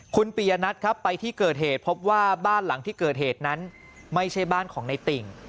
คุณปียนัทครับไปที่เกิดเหตุพบว่าบ้านหลังที่เกิดเหตุนั้นไม่ใช่บ้านของในติ่ง